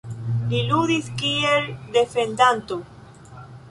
Li ludis kiel defendanto.